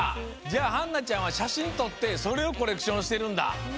じゃあはんなちゃんはしゃしんとってそれをコレクションしてるんだ。